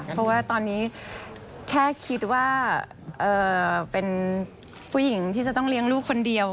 เพราะว่าตอนนี้แค่คิดว่าเป็นผู้หญิงที่จะต้องเลี้ยงลูกคนเดียว